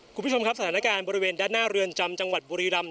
คุณผู้ชมครับสถานการณ์บริเวณด้านหน้าเรือนจำจังหวัดบุรีรำ